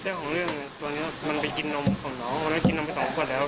เรื่องของเรื่องตัวเนี้ยมันไปกินนมของน้องมันก็กินนมไปต่อมาก่อนแล้ว